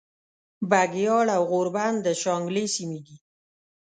بګیاړ او غوربند د شانګلې سیمې دي